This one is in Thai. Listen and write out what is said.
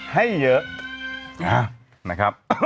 ให้เยอะ